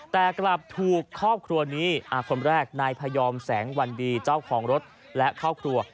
แต่กลับถูกครอบครัวนี้คนแรกนายพยอมแสงวันดีเจ้าของรถและครอบครัว